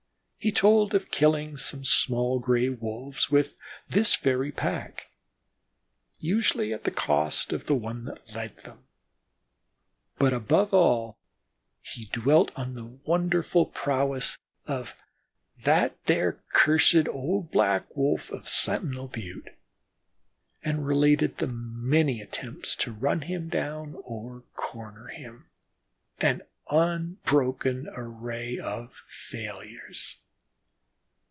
He told of killing some small Gray wolves with this very pack, usually at the cost of the one that led them; but above all he dwelt on the wonderful prowess of "that thar cussed old Black Wolf of Sentinel Butte," and related the many attempts to run him down or corner him an unbroken array of failures.